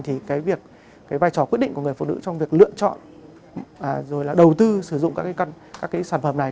thì cái vai trò quyết định của người phụ nữ trong việc lựa chọn rồi là đầu tư sử dụng các sản phẩm này